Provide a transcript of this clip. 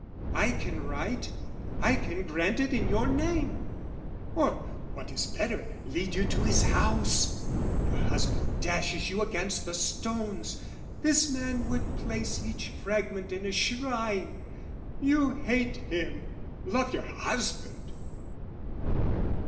"I can write, I can grant it in your name, "Or, what is better, lead you to his house. "Your husband dashes you against the stones; "This man would place each fragment in a shrine: "You hate him, love your husband!"